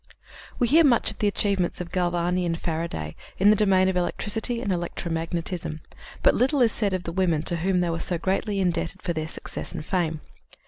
We hear much of the achievements of Galvani and Faraday in the domain of electricity and electromagnetism, but little is said of the women to whom they were so greatly indebted for their success and fame.